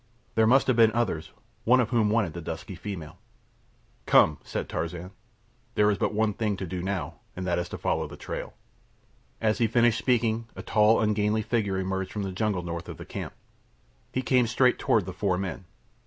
There must have been others, one of whom wanted the dusky female. "Come," said Tarzan, "there is but one thing to do now, and that is to follow the trail." As he finished speaking a tall, ungainly figure emerged from the jungle north of the camp. He came straight toward the four men.